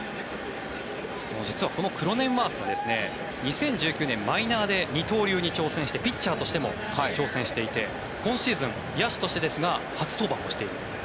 実はこのクロネンワースは２０１９年、マイナーで二刀流に挑戦してピッチャーとしても挑戦していて今シーズン野手としてですが初登板をしている。